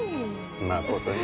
まことに。